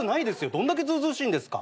どんだけずうずうしいんですか。